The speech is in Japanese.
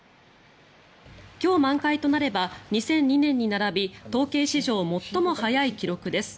今日満開となれば２００２年に並び統計史上最も早い記録です。